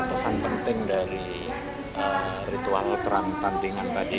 saya beri pesan penting dari ritual terang tantingan tadi